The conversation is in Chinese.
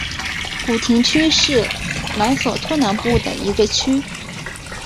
古廷区是莱索托南部的一个区。